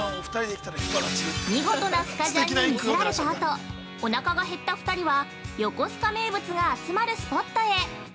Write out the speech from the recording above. ◆見事なスカジャンに魅せられたあと、おなかが減った２人は横須賀名物が集まるスポットへ。